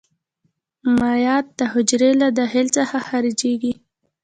مایعات د حجرې له داخل څخه خارجيږي.